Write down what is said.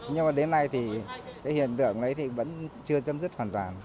nhưng mà đến nay thì hiện tượng vẫn chưa chấm dứt hoàn toàn